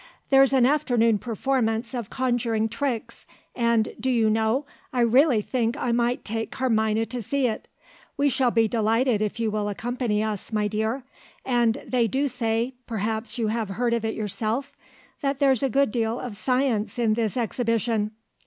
"There's an afternoon performance of conjuring tricks; and, do you know, I really think I might take Carmina to see it. We shall be delighted if you will accompany us, my dear; and they do say perhaps you have heard of it yourself? that there's a good deal of science in this exhibition."